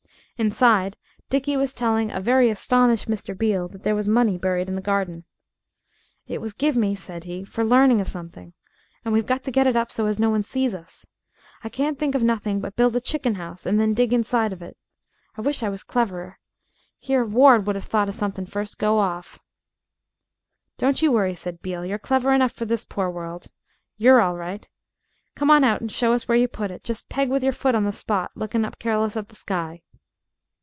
Inside Dickie was telling a very astonished Mr. Beale that there was money buried in the garden. "It was give me," said he, "for learning of something and we've got to get it up so as no one sees us. I can't think of nothing but build a chicken house and then dig inside of it. I wish I was cleverer. Here Ward would have thought of something first go off." "Don't you worry," said Beale; "you're clever enough for this poor world. You're all right. Come on out and show us where you put it. Just peg with yer foot on the spot, looking up careless at the sky."